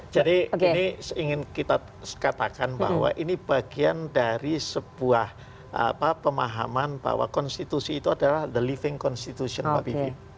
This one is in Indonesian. jadi ini ingin kita katakan bahwa ini bagian dari sebuah pemahaman bahwa konstitusi itu adalah the living constitution pak bibi